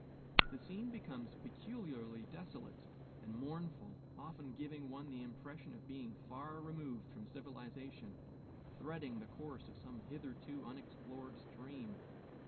The scene becomes peculiarly desolate and mournful, often giving one the impression of being far removed from civilization, threading the course of some hitherto unexplored stream.